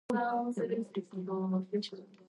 Йөзгә берәү тулмаган.